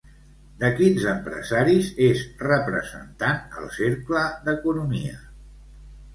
De quins empresaris és representant el Cercle d'Economia?